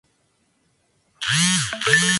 Aparecieron y desaparecieron en el Devónico.